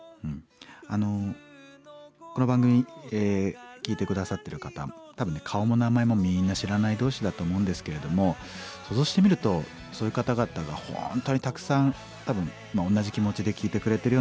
あのこの番組聴いて下さってる方多分ね顔も名前もみんな知らない同士だと思うんですけれども想像してみるとそういう方々が本当にたくさん多分同じ気持ちで聴いてくれてるような気がするんですね。